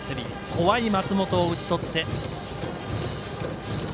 怖い松本を打ち取って。